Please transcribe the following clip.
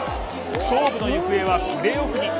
勝負の行方はプレーオフに。